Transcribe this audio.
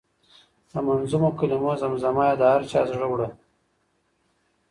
د منظومو کلمو زمزمه یې د هر چا زړه وړه.